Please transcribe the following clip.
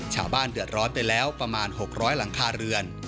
ชาวบ้านเดือดร้อนไปแล้วประมาณ๖๐๐หลังคาเรือน